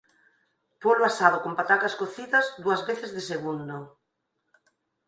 Polo asado con patacas cocidas dúas veces de segundo